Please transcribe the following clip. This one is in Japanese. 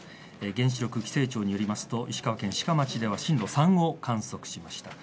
原子力規制庁によりますと石川県志賀町では震度３を観測しました。